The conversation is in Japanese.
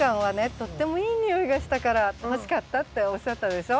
とってもいい匂いがしたから欲しかったっておっしゃったでしょ。